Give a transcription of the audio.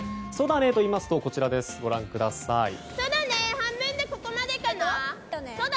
そだねーといいますとこちらご覧ください。